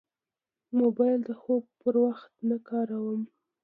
موبایل د خوب پر وخت نه کاروم.